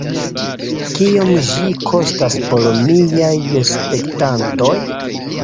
Kiom ĝi kostas por miaj spektantoj?